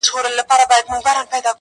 o ژوند مي د هوا په لاس کي وليدی.